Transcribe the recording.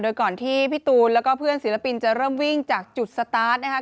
โดยก่อนที่พี่ตูนแล้วก็เพื่อนศิลปินจะเริ่มวิ่งจากจุดสตาร์ทนะคะ